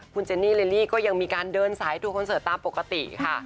คุณเจนนี่เลลลี่ก็ยังมีการเดินสายทัวร์คอนเสิร์ตตามปกติค่ะ